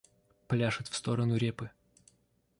Пляшет в сторону репы.